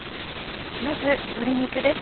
まず鶏肉です。